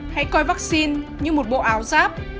hãy coi vắc xin như một bộ áo giáp